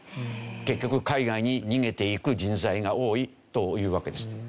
結局海外に逃げていく人材が多いというわけです。